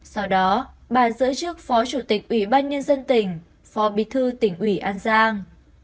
sau đó bà giữ chức phó chủ tịch ủy ban nhân dân tỉnh phó bí thư tỉnh ủy an giang